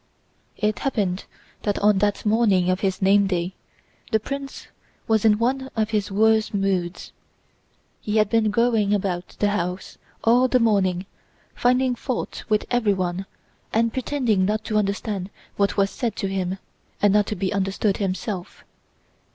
It happened that on that morning of his name day the prince was in one of his worst moods. He had been going about the house all the morning finding fault with everyone and pretending not to understand what was said to him and not to be understood himself.